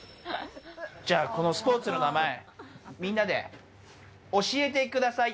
このスポーツの名前、みんなで教えてください。